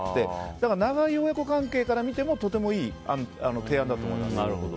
だから長い親子関係から見てもとてもいい提案だと思います。